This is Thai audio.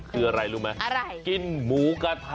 คืออะไรรู้มะยังไงรวมกันกินหมูกระทะ